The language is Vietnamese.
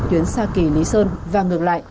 tuyến xa kỳ lý sơn và ngược lại